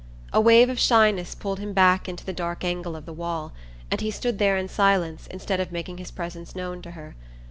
A wave of shyness pulled him back into the dark angle of the wall, and he stood there in silence instead of making his presence known to her.